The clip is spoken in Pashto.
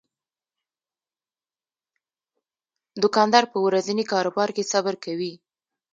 دوکاندار په ورځني کاروبار کې صبر کوي.